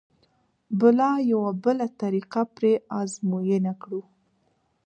به لا یوه بله طریقه پرې ازموینه کړو.